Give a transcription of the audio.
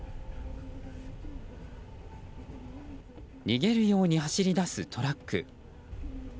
逃げるように走り出すトラック。